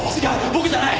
僕じゃない！